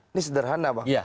ini sederhana bang